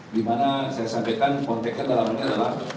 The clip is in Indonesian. di mana saya sampaikan konteknya dalamnya adalah